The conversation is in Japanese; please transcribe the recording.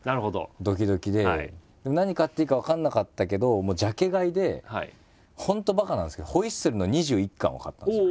何買っていいか分かんなかったけどジャケ買いで本当ばかなんですけど「ホイッスル！」の２１巻を買ったんですよ。